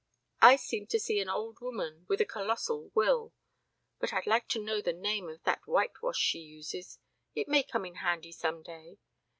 I seem to see an old woman with a colossal will. ... But I'd like to know the name of that whitewash she uses. It may come in handy some day.